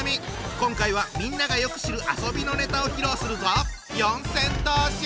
今回はみんながよく知る遊びのネタを披露するぞ！